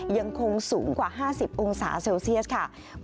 ยังคงสูงกว่า๕๐องศาเซลเซียสค่ะ